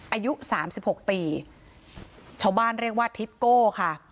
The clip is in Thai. อายุสามสิบหกปีชาวบ้านเรียกว่าทิปโก้ค่ะ